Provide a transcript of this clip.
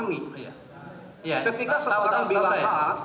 ketika sesuatu bilang a